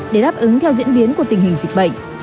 để đáp ứng theo diễn biến của tình hình dịch bệnh